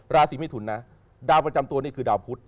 ราศีเมทุนนะดาวประจำตัวนี่คือดาวพุทธ